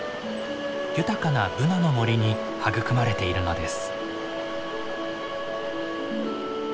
豊かなブナの森に育まれているのです。